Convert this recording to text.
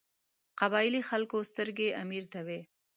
قبایلي خلکو سترګې امیر ته وې.